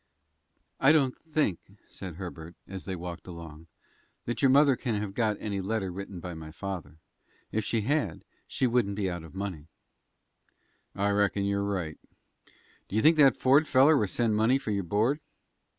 "I don't think," said Herbert, as they walked along, "that your mother can have got any letter written by my father. If she had, she would not be out of money." "I reckon you're right. Do you think that Ford feller will send money for your board?"